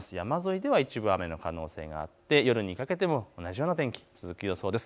山沿いでは一部、雨の可能性があって夜にかけても同じような天気が続く予想です。